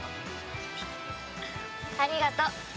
ありがとう。